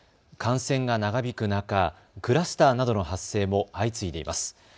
感染が長引く中、クラスターなどの発生も相次いでいます。